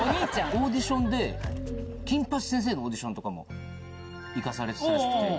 オーディションで『金八先生』のオーディションとかも行かされてたらしくて。